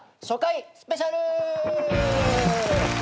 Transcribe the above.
初回スペシャル！